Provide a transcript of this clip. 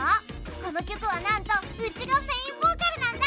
この曲はなんとウチがメインボーカルなんだ！